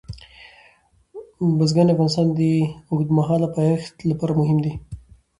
بزګان د افغانستان د اوږدمهاله پایښت لپاره مهم دي.